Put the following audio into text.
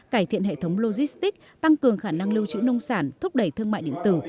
cải thiện hệ thống logistic tăng cường khả năng lưu trữ nông sản thúc đẩy thương mại điện tử